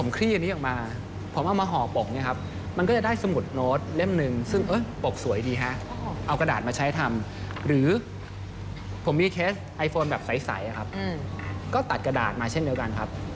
ก็ตัดกระดาษมาเช่นเดียวกันครับ